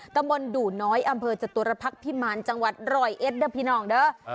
ตำบลดู่น้อยอำเภอจตุรพักษ์พิมารจังหวัดร้อยเอ็ดเด้อพี่น้องเด้อ